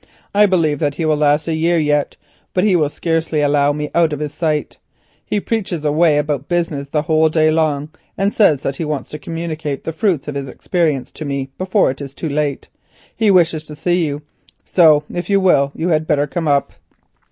I believe that he will last a year yet, but he will scarcely allow me out of his sight. He preaches away about business the whole day long and says that he wants to communicate the fruits of his experience to me before it is too late. He wishes to see you, so if you will you had better come up."